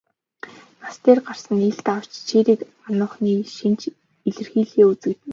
Нас дээр гарсан нь илт авч чийрэг ануухны шинж илэрхийеэ үзэгдэнэ.